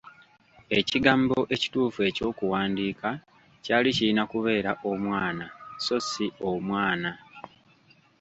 Ekigambo ekituufu eky’okuwandiika kyali kirina kubeera ‘omwana’ so si ‘omwaana.’